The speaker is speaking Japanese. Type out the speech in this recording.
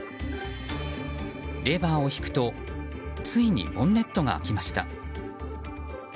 レバーを引くとついにボンネットが開きました。